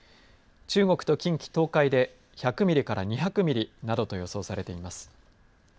中国と近畿、東海で１００ミリから２００ミリなどと予想されています。